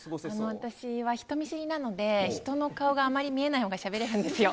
私は人見知りなので、人の顔があまり見えないほうがしゃべれるんですよ。